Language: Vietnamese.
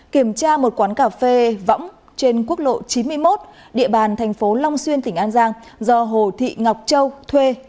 kiểm tra một quán cà phê võng trên quốc lộ chín mươi một địa bàn thành phố long xuyên tỉnh an giang do hồ thị ngọc châu thuê